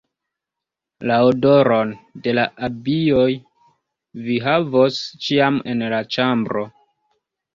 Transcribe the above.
La odoron de la abioj vi havos ĉiam en la ĉambro.